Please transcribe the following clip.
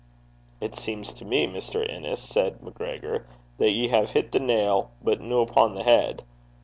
'It seems to me, Mr. Innes,' said MacGregor, 'that ye hae hit the nail, but no upo' the heid.